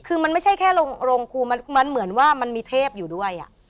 คือมันไม่ใช่แค่โรงครูมันเหมือนว่ามันมีเทพอยู่ด้วย